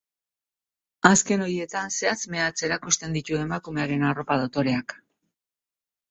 Azken horietan zehatz-mehatz erakusten ditu emakumearen arropa dotoreak.